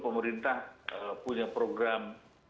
pemerintah punya program